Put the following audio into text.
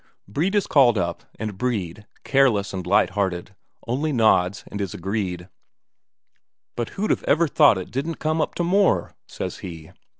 Brede is called up, and Brede, careless and light hearted, only nods and is agreed "but who'd ever have thought it didn't come up to more?" says he.